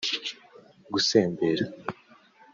gusembera